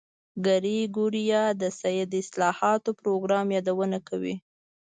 ګریګوریان د سید د اصلاحاتو پروګرام یادونه کوي.